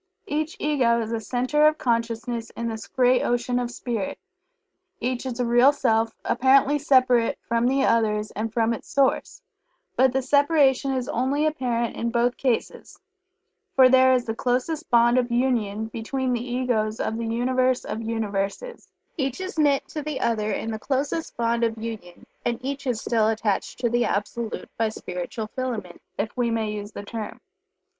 Each Ego is a Centre of Consciousness in this great ocean of Spirit each is a Real Self, apparently separate from the others and from its source, but the separation is only apparent in both cases, for there is the closest bond of union between the Egos of the Universe of Universes each is knit to the other in the closest bond of union, and each is still attached to the Absolute by spiritual filaments, if we may use the term.